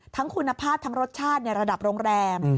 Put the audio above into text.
ทั้งคุณภาพทั้งรสชาติในระดับโรงแรม